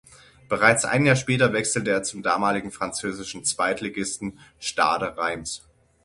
Bereits ein Jahr später wechselte er zum damaligen französischen Zweitligisten Stade Reims.